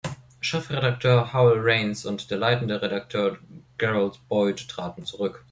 Chefredakteur Howell Raines und der leitende Redakteur Gerald Boyd traten zurück.